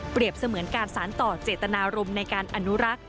เสมือนการสารต่อเจตนารมณ์ในการอนุรักษ์